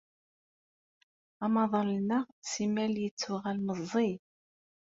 Amaḍal-nneɣ simmal yettuɣal meẓẓi.